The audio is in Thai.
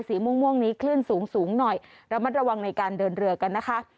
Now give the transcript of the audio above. สีม่วงนี้ขึ้นสูงน้อยระมัดระวังในการเดินเรือกันนะคะ